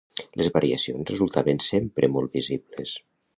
Les variacions resultaven sempre molt visibles.